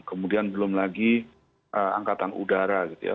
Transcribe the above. kemudian belum lagi angkatan udara gitu ya